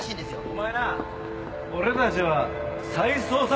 お前な俺たちは再捜査刑事だぞ！